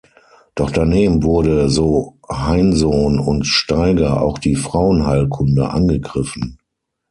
Doch daneben wurde, so Heinsohn und Steiger, auch die Frauenheilkunde angegriffen.